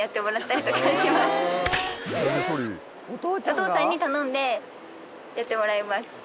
お父さんに頼んでやってもらいます